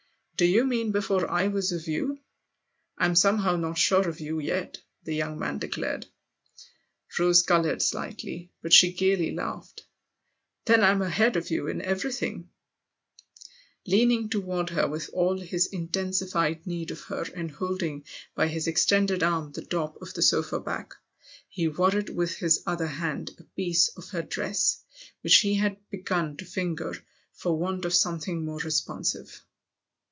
" Do you mean before I was of you ? I'm somehow not sure of you yet !" the young man declared. Rose coloured slightly ; but she gaily laughed. " Then I'm ahead of you in everything !" Leaning toward her with all his intensified need of her and holding by his extended arm the top of the sofa back, he worried with his other hand a piece of her dress, which he had begun to finger for want of something more responsive.